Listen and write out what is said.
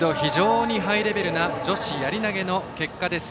フィールド非常にハイレベルな女子やり投げの結果です。